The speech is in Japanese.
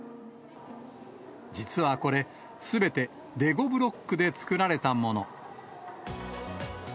実はこれ、すべてレゴブロックで作られたもの。